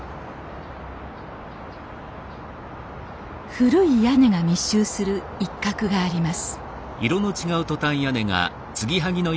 古い屋根が密集する一角があります